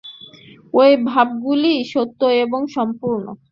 ঐ ভাবগুলিই সত্য এবং সম্পূর্ণ।